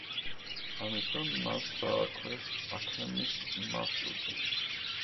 ამიტომ მას დაარქვეს „აქლემის მარშრუტი“.